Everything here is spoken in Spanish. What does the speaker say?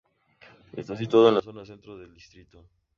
Está situado en zona centro del distrito.